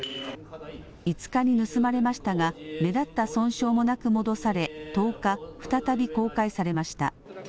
５日に盗まれましたが、目立った損傷もなく戻され、１０日、再び公開されました。